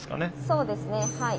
そうですねはい。